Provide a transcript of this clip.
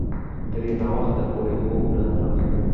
ترې ناوخته پورې خوب نه راتلو.